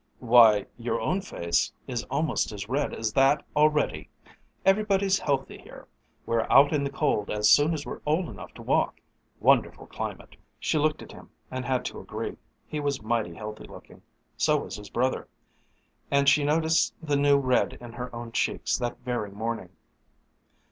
"Why, your own face is almost as red as that already! Everybody's healthy here. We're out in the cold as soon as we're old enough to walk. Wonderful climate!" She looked at him and had to agree. He was mighty healthy looking; so was his brother. And she had noticed the new red in her own cheeks that very morning.